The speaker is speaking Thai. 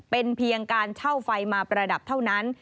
เป็นเพียงการเช่าไฟมาประดับเท่านั้น